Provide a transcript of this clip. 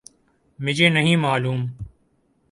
مجھے نہیں معلوم۔